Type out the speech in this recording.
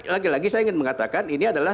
lagi lagi saya ingin mengatakan ini adalah